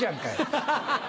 ハハハ！